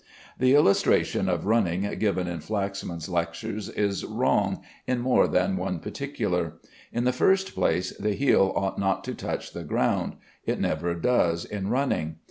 The illustration of running given in Flaxman's lectures is wrong in more than one particular. In the first place, the heel ought not to touch the ground; it never does in running.